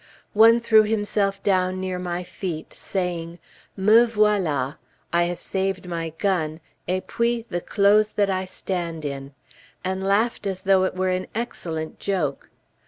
One threw himself down near my feet, saying, "Me voilà. I have saved my gun, et puis the clothes that I stand in!" and laughed as though it were an excellent joke.